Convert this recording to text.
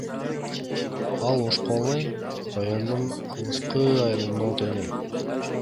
Ал Ошко Алай районунун алыскы айылынан келген.